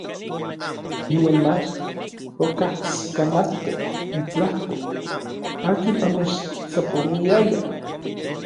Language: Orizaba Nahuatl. Iuan mach okajsikamatkej itlajtol akin onechtlapouiaya.